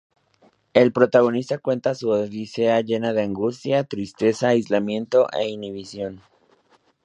El protagonista cuenta su odisea llena de angustia, tristeza, aislamiento e inhibición.